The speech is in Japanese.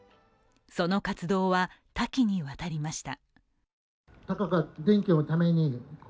その活動は多岐にわたりました。